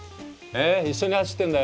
一緒に走ってんだよ。